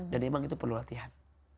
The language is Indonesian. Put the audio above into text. dan emang itu perlu latihan